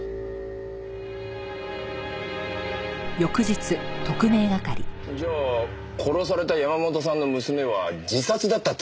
じゃあ殺された山本さんの娘は自殺だったって事か。